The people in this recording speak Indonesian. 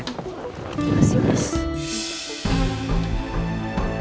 terima kasih bez